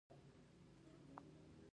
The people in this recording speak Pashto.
تعلیم نجونو ته د رنګونو ترکیب ور زده کوي.